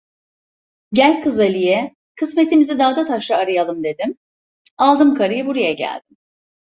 Gel kız, Aliye, kısmetimizi dağda taşta arayalım! dedim, aldım karıyı buraya geldim.